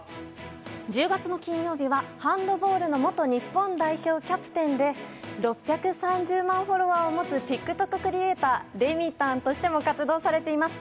１０月の金曜日はハンドボールの元日本代表キャプテンで６３０万フォロワーを持つＴｉｋＴｏｋクリエーターレミたんとしても活動されています